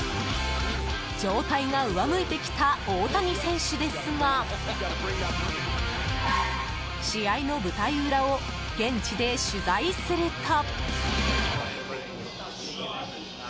状態が上向いてきた大谷選手ですが試合の舞台裏を現地で取材すると。